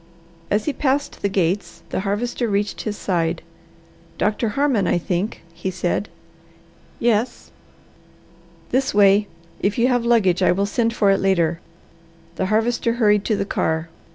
As he passed the gates the Harvester reached his side. "Doctor Harmon, I think," he said. "Yes." "This way! If you have luggage, I will send for it later." The Harvester hurried to the car.